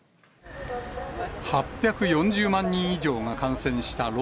８４０万人以上が感染したロ